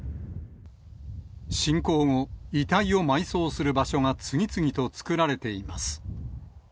侵攻後、遺体を埋葬する場所が次々と作られています。